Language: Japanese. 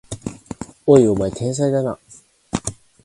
おい、お前天才だな！